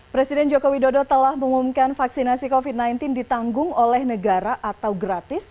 presiden joko widodo telah mengumumkan vaksinasi covid sembilan belas ditanggung oleh negara atau gratis